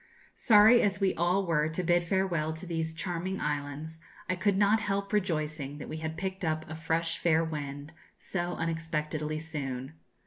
Sorry as we all were to bid farewell to these charming islands, I could not help rejoicing that we had picked up a fresh fair wind so unexpectedly soon.